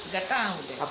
ga tahu bu